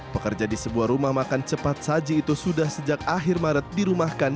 pekerja di sebuah rumah makan cepat saji itu sudah sejak akhir maret dirumahkan